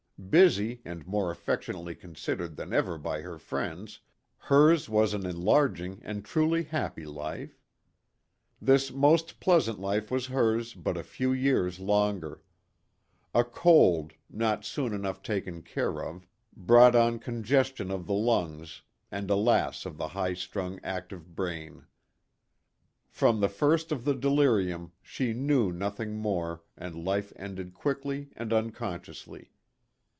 Busy, and more affectionately considered than ever by her friends, hers was an enlarging and truly happy life. This most pleasant life was hers but a few years longer. A cold, not soon enough taken care of, brought on congestion of the lungs and alas of the high strung active brain. From the first of the delirium she knew nothing more and life ended quickly and unconsciously.